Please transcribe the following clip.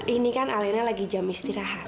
ini kan airnya lagi jam istirahat